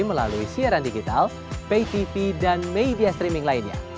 melalui siaran digital pay tv dan media streaming lainnya